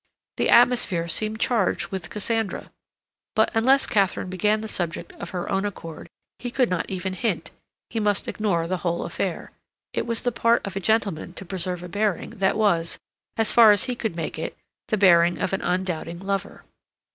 The atmosphere seemed charged with Cassandra. But, unless Katharine began the subject of her own accord, he could not even hint—he must ignore the whole affair; it was the part of a gentleman to preserve a bearing that was, as far as he could make it, the bearing of an undoubting lover.